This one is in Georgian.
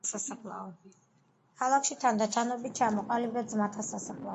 ქალაქში თანდათანობით ჩამოყალიბდა ძმათა სასაფლაო.